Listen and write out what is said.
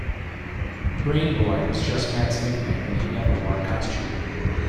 "Brain Boy" was just Matt's nickname, and he never wore a costume.